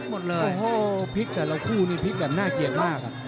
ห้อพลิกแต่เราคู่นี้พลิกแบบน่าเกลียดมาก